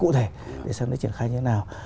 để xem nó triển khai như thế nào